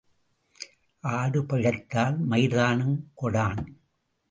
ஆடு பிழைத்தால் மயிர்தானும் கொடான்.